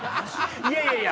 いやいや！